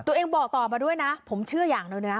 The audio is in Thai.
ตัวเองบอกต่อมาด้วยนะผมเชื่ออย่างนึงนะ